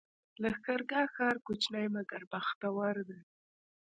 لښکرګاه ښار کوچنی مګر بختور دی